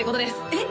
えっ！？